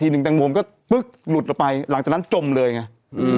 อีกหนึ่งตังโมงก็ปึ๊บหลุดไปหลังจากนั้นจมเลยไง